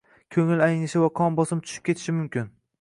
ko‘ngli aynashi va qon bosimi tushib ketishi mumkin.